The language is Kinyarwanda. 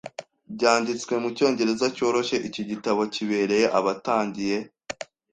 Byanditswe mucyongereza cyoroshye, iki gitabo kibereye abatangiye.